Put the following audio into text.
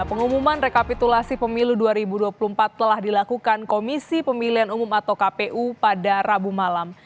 pengumuman rekapitulasi pemilu dua ribu dua puluh empat telah dilakukan komisi pemilihan umum atau kpu pada rabu malam